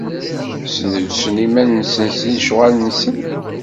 Sneǧsen iman-nsen s lecɣal-nsen.